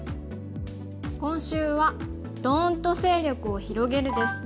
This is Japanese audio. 今週は「ドーンと勢力を広げる」です。